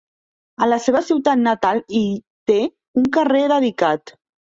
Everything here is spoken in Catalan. A la seva ciutat natal hi té un carrer dedicat.